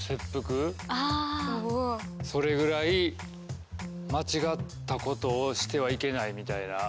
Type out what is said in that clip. それぐらい間違ったことをしてはいけないみたいな？